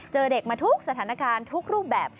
เจอเด็กมาทุกสถานการณ์ทุกรูปแบบ